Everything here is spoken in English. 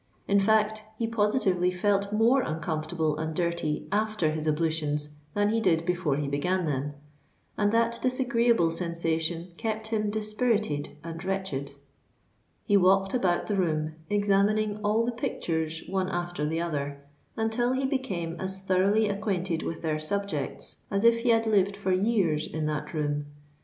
In fact, he positively felt more uncomfortable and dirty after his ablutions than he did before he began them; and that disagreeable sensation kept him dispirited and wretched. He walked about the room, examining all the pictures one after the other, until he became as thoroughly acquainted with their subjects as if he had lived for years in that room.